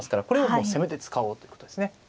これをもう攻めで使おうということですね。